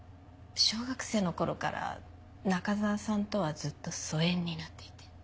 小学生のころから中沢さんとはずっと疎遠になっていて。